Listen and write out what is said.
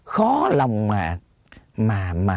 khó lòng mà